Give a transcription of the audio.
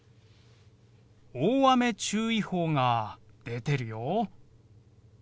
大雨注意報が出てるよ。